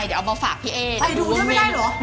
เดี๋ยวเอามาฝากพี่เอ๊คอยดูแล้วไม่ได้เหรอ